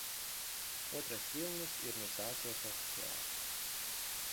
Otrais vilnis ir nu sācies oficiāli.